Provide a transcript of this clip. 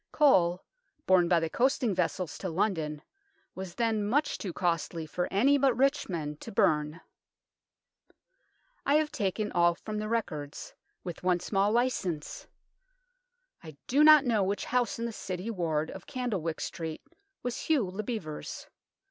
Coal, borne by the coasting vessels to London, was then much too costly for any but rich men to burn. I have taken all from the records, with one small license. I do not know which house in the City ward of Candlewyck Street was Hugh le Bevere's.